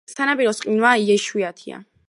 სანაპიროს ყინვა იშვიათია.